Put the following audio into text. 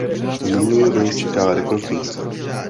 Nyní jej čeká rekonstrukce.